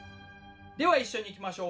では一緒にいきましょう。